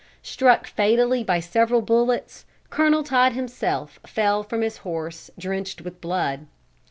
Struck fatally by several bullets, Colonel Todd himself fell from his horse drenched with blood.